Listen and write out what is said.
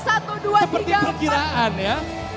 seperti perkiraan ya